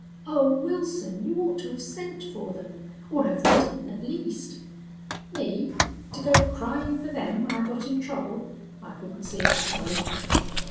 "Oh, Wilson, you ought to have sent for them, or have written at least." "Me? To go crying for them when I got in trouble? I couldn't see it that way."